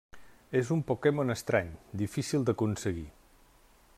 És un Pokémon estrany, difícil d'aconseguir.